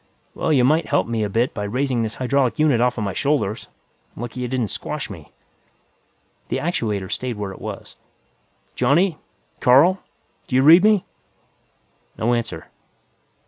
"Well, you might help me a bit by raising this hydraulic unit offa my shoulders. Lucky it didn't squash me." The actuator stayed where it was. "Johnny! Carl! Do you read me?" No answer.